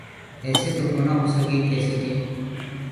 ايسي تو ڪونآ هوسگي ڪيسي ڪي